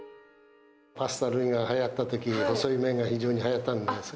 パスタ類がはやったとき、細い麺が非常にはやったんです。